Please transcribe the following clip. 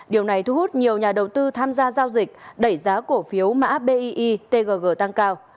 điều này thu hút nhiều nhà đầu tư tham gia giao dịch đẩy giá cổ phiếu mã bi tgg tăng cao